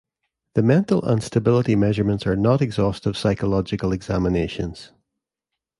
The Mental and Stability measurements are not exhaustive psychological examinations.